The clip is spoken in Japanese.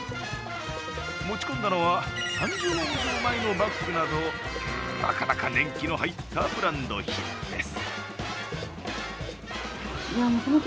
持ち込んだのは３０年以上前のバッグなど、なかなか年季の入ったブランド品です。